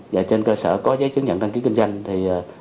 và trên cơ sở có giấy chứng nhận đăng ký kinh doanh thì